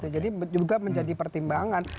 jadi juga menjadi pertimbangan